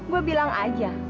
gue bilang aja